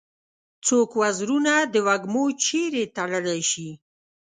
څوک وزرونه د وږمو چیري تړلای شي؟